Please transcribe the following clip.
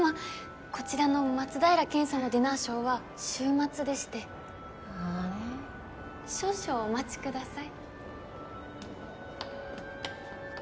こちらの松平健さんのディナーショーは週末でしてああ少々お待ちください